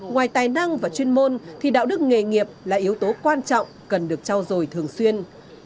ngoài tài năng và chuyên môn thì đạo đức nghề nghiệp là yếu tố quan trọng cần được trao dồi thường xuyên